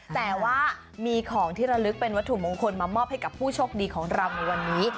แต่ว่ามีของที่ระลึกเป็นวัตถุมงคลมามอบให้กับผู้โชคดีของเราในวันนี้